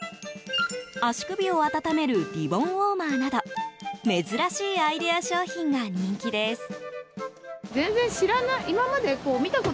足首を温めるリボンウォーマーなど珍しいアイデア商品が人気です。